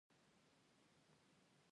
د ارغنداب سیند په کندهار کې دی